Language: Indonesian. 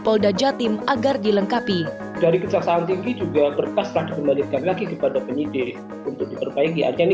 polda jatim agar dilengkapi dari kejaksaan tinggi juga berkas lagi kepada penyidik untuk diperbaiki